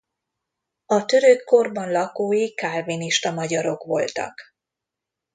A török korban lakói kálvinista magyarok voltak.